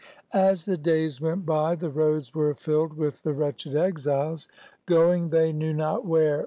ORDER NO. 11 293 As the days went by the roads were filled with the wretched exiles, going they knew not where.